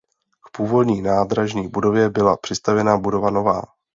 K původní nádražní budově byla přistavěna budova nová.